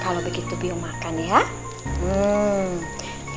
kalau begitu aku akan makan